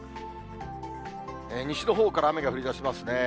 西のほうから雨が降りだしますね。